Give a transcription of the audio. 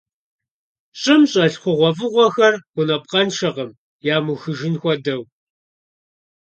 ЩӀым щӀэлъ хъугъуэфӀыгъуэхэр гъунапкъэншэкъым, ямыухыжын хуэдэу.